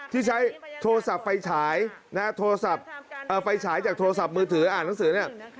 ที่ใช้โทรศัพท์ไฟฉายจากโทรศัพท์มือถืออ่านหนังสือ